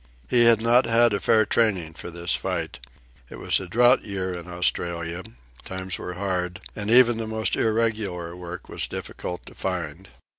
He had not had a fair training for this fight. It was a drought year in Australia, times were hard, and even the most irregular work was difficult to find.